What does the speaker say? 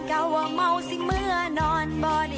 กัวเหมาสิเมื่อนอนเบอน